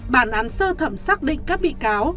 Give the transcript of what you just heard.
bản án sơ thẩm xác định các bị cáo